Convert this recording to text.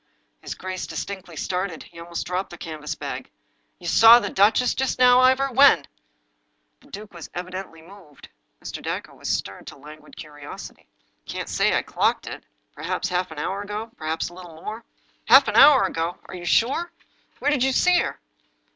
His gjace distinctly started. He almost dropped the canvas bag. " You saw the duchess just now, Ivor ! When ?" The duke was evidently moved. Mr. Dacre was stirred to languid curiosity. " I can't say I clocked it. Perhaps half an hour ago ; perhaps a little more." " Half an hour ago! Are you sure? Where did you see her?"